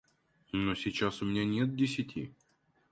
Но сейчас у меня нет десяти.